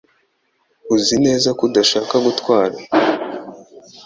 Uzi neza ko udashaka gutwara